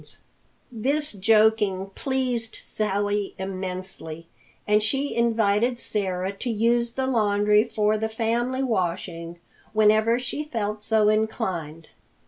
This joking pleased Sally immensely, and she invited Sarah to use the laundry for the family washing whenever she felt so inclined.